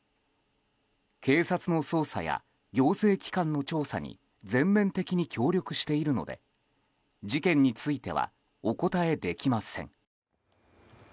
警察の捜査や行政機関の調査に全面的に協力しているので事件についてはお答えできません。